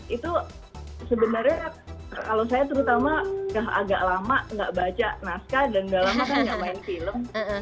itu sebenarnya kalau saya terutama udah agak lama nggak baca naskah dan udah lama kan gak main film